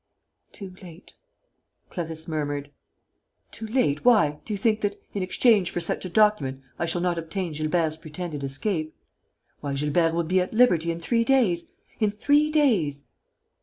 "Too late," Clarisse murmured. "Too late? Why? Do you think that, in exchange for such a document, I shall not obtain Gilbert's pretended escape?... Why, Gilbert will be at liberty in three days! In three days...."